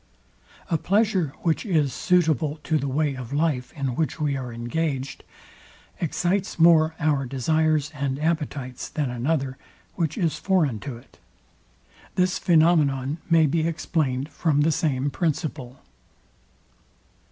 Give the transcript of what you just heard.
A pleasure, which is suitable to the way of life, in which we are engaged, excites more our desires and appetites than another, which is foreign to it. This phænomenon may be explained from the same principle.